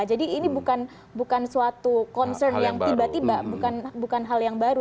jadi ini bukan suatu concern yang tiba tiba bukan hal yang baru